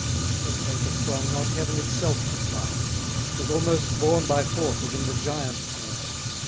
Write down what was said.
So great a throng not Heaven itself could bar; 'Twas almost borne by force as in the giants' war.